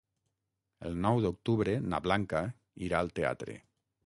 El nou d'octubre na Blanca irà al teatre.